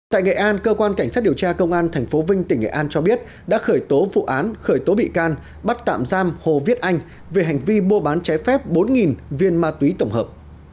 tại nghệ an cơ quan cảnh sát điều tra công an tp vinh tỉnh nghệ an cho biết đã khởi tố vụ án khởi tố bị can bắt tạm giam hồ viết anh về hành vi mua bán trái phép bốn viên ma túy tổng hợp